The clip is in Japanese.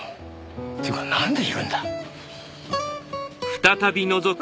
っていうかなんでいるんだ？